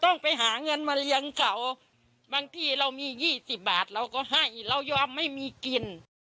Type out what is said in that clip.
ต้องไปหาเงินมาเลี้ยงเขาบางที่เรามี๒๐บาทเราก็ให้เรายอมไม่มีกิน